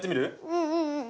うんうんうん。